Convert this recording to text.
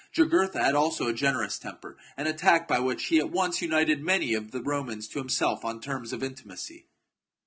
Jugurtha had also a generous temper, and a tact by which he at once united many of the Romans to himself on terms of intimacy.